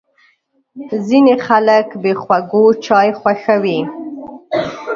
ځینې خلک بې خوږو چای خوښوي.